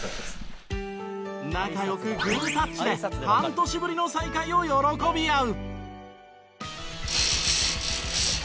仲良くグータッチで半年ぶりの再会を喜び合う。